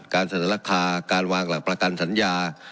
การเสนอราคาการวางหลักประกันสัญญา